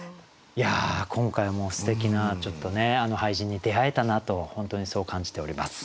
いや今回もすてきな俳人に出会えたなと本当にそう感じております。